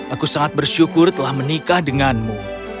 aku sangat bersyukur telah menikah denganmu